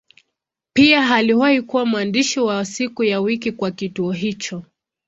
Pia aliwahi kuwa mwandishi wa siku ya wiki kwa kituo hicho.